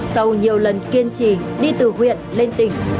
sau nhiều lần kiên trì đi từ huyện lên tỉnh